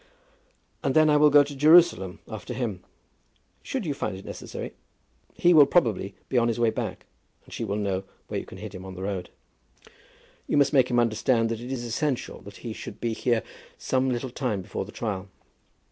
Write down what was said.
"And then I will go on to Jerusalem, after him." "Should you find it necessary. He will probably be on his way back, and she will know where you can hit him on the road. You must make him understand that it is essential that he should be here some little time before the trial.